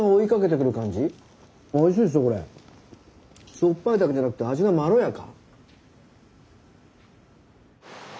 しょっぱいだけじゃなくて味がまろやか。